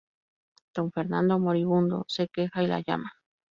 Don Fernando, moribundo, se queja y la llama.